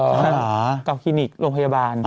กับคลินิกโรงพยาบาล